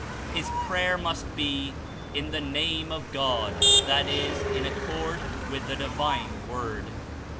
His prayer must be "In the Name of God," that Is In accord with the divine Word.